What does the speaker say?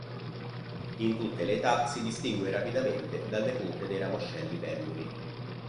In tutte le età, si distingue rapidamente dalle punte dei ramoscelli penduli.